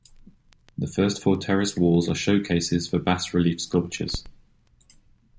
The first four terrace walls are showcases for bas-relief sculptures.